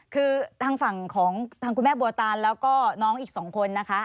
คือทางฝั่งของทางคุณแม่บัวตานแล้วก็น้องอีก๒คนนะคะ